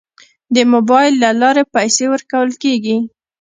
د موبایل له لارې پیسې ورکول کیږي.